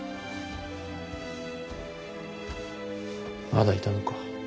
まだいたのか。